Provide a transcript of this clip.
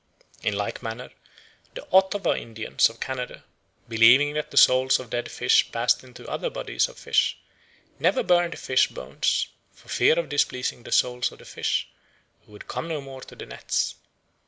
In like manner the Ottawa Indians of Canada, believing that the souls of dead fish passed into other bodies of fish, never burned fish bones, for fear of displeasing the souls of the fish, who would come no more to the nets.